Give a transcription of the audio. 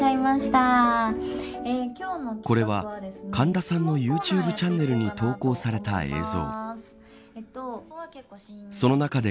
これは神田さんのユーチューブチャンネルに投稿された映像。